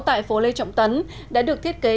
tại phố lê trọng tấn đã được thiết kế